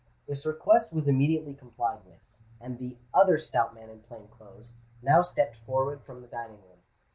This request was immediately complied with; and the other stout man in plain clothes now stepped forward from the dining room.